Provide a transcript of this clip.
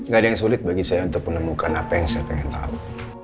gak ada yang sulit bagi saya untuk menemukan apa yang saya ingin tahu